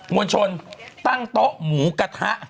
วลชนตั้งโต๊ะหมูกระทะ